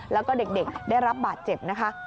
แล้วก็เด็กได้รับบาดเจ็บนะคะ